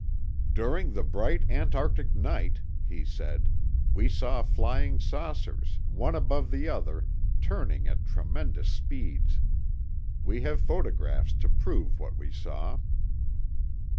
"During the bright antarctic night," be said, "we saw flying saucers, one above the other, turning at tremendous speeds. We have photographs to prove what we saw."